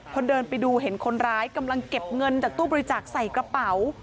พอเดินไปดูเห็นคนร้ายกำลังเก็บเงินจากตู้บริจาคใส่กระเป๋า